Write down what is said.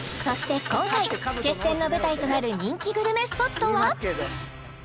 そして今回決戦の舞台となる人気グルメスポットは？